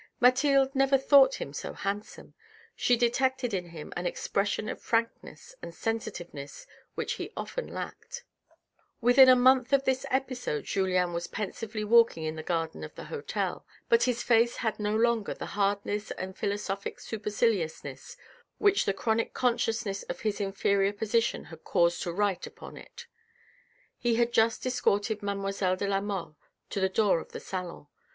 Mathilde never thought him so handsome ; she detected in him an expression of frankness and sensitiveness which he often lacked. Within a month of this episode Julien was pensively walking in the garden of the hotel ; but his face had no longer the hardness and philosophic superciliousness which the chronic consciousness of his inferior position had used to write upon it. He had just escorted mademoiselle de la Mole to the door of the salon.